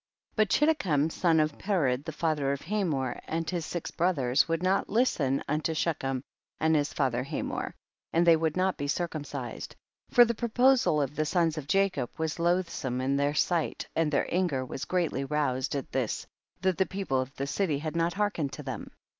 2. But Chiddekem, son of Pered, the father of Hamor, and his six brothers, would not listen unto She chem and his father Hamor, and tliey 100 THE BOOK OF JASHER. would not be circumcised, for the proposal of the sons of Jacob was loathsome in their sight, and their anger was greatly roused at this, that the people of the city had not hearkened to them.